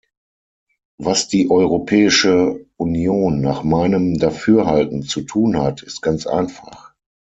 Was die Europäische Union nach meinem Dafürhalten zu tun hat, ist ganz einfach.